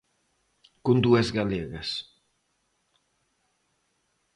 Con dúas galegas.